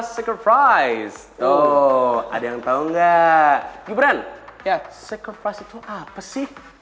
sikrprise itu apa sih